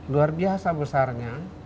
luar biasa besarnya